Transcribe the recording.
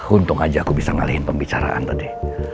untung aja aku bisa ngalihin pembicaraan tadi